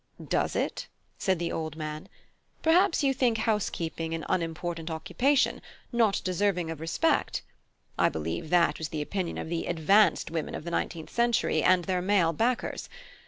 "Does it?" said the old man; "perhaps you think housekeeping an unimportant occupation, not deserving of respect. I believe that was the opinion of the 'advanced' women of the nineteenth century, and their male backers.